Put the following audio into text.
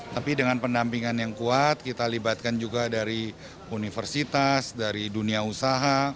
tapi dengan pendampingan yang kuat kita libatkan juga dari universitas dari dunia usaha